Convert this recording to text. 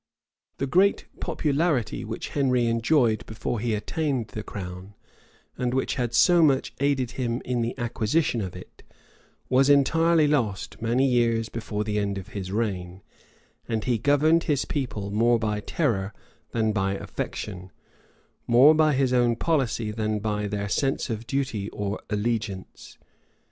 The great popularity which Henry enjoyed before he attained the crown, and which had so much aided him in the acquisition of it, was entirely lost many years before the end of his reign; and he governed his people more by terror than by affection, more by his own policy than by their sense of duty or allegiance.